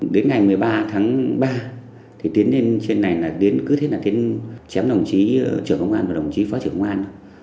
đến ngày một mươi ba tháng ba thì tiến lên trên này là cứ thế là tiến chém đồng chí trưởng công an và đồng chí phó trưởng công an